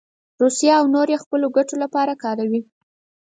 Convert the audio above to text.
روسیه او نور یې د خپلو ګټو لپاره کاروي.